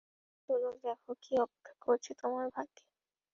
নিজেই তোলো, দেখো, কী অপেক্ষা করছে তোমার ভাগ্যে।